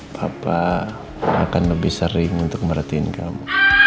papa akan lebih sering untuk merhatiin kamu